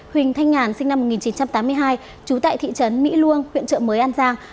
huỳnh thanh nhàn sinh năm một nghìn chín trăm tám mươi hai trú tại thị trấn mỹ luông huyện trợ mới an giang